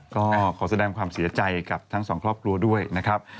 ก็ขอแสดงความเสียใจกับทั้งสองครอบครัวด้วยนะครับ